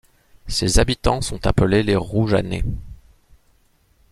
Ses habitants sont appelés les Roujanais.